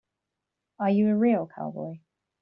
Are you a real cowboy?